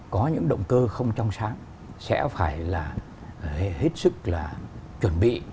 có những động cơ không trong sáng sẽ phải là hết sức là chuẩn bị